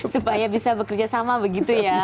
supaya bisa bekerja sama begitu ya